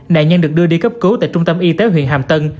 nạn nhân được đưa đi cấp cứu tại trung tâm y tế huyện hàm tân